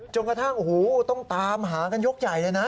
จนกระทั่งต้องตามหากันยกใหญ่เลยนะ